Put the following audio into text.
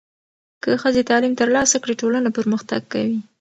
که ښځې تعلیم ترلاسه کړي، ټولنه پرمختګ کوي.